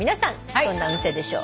どんな運勢でしょう。